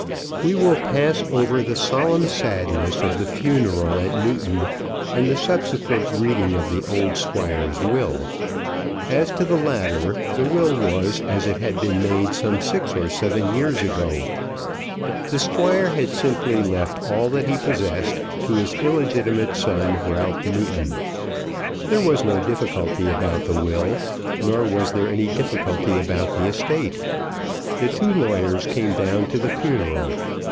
We will pass over the solemn sadness of the funeral at Newton and the subsequent reading of the old Squire's will. As to the latter, the will was as it had been made some six or seven years ago. The Squire had simply left all that he possessed to his illegitimate son Ralph Newton. There was no difficulty about the will. Nor was there any difficulty about the estate. The two lawyers came down to the funeral.